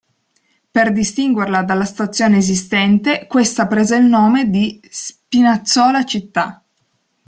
Per distinguerla dalla stazione esistente questa prese il nome di "Spinazzola Città".